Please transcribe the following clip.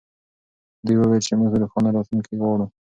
دوی وویل چې موږ روښانه راتلونکې غواړو.